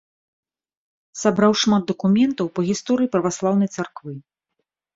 Сабраў шмат дакументаў па гісторыі праваслаўнай царквы.